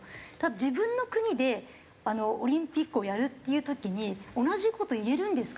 自分の国であのオリンピックをやるっていう時に同じ事言えるんですか？